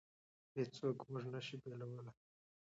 هېڅوک موږ نشي بېلولی.